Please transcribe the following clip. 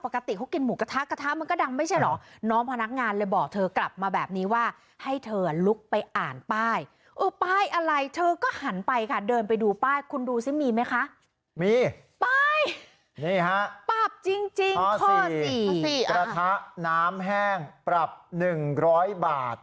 นี่ฮะปรับจริงจริงข้อสี่ข้อสี่อ่ากระทะน้ำแห้งปรับหนึ่งร้อยบาท